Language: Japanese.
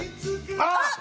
あっ！